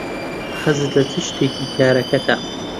حەزت لە چ شتێکی کارەکەتە؟